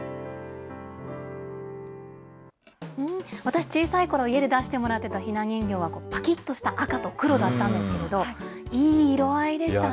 私、小さいころ、家で出してもらっていたひな人形は、ぱきっとした赤と黒だったんですけど、いい色合いでしたね。